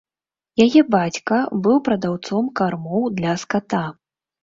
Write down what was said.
Яе бацька быў прадаўцом кармоў для ската.